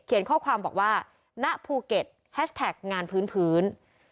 ข้อความบอกว่าณภูเก็ตแฮชแท็กงานพื้น